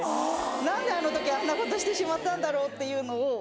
何であの時あんなことしてしまったんだろうというのを。